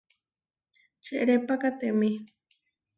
Čerepakatemé.